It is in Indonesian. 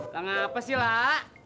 lah ngapa sih lah